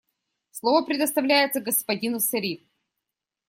Слово предоставляется господину Серри.